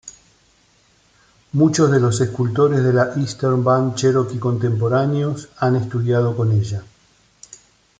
Muchos de los escultores de la Eastern Band Cherokee contemporáneos han estudiado con ella.